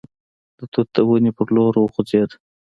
د توت د ونې په لور وخوځېد.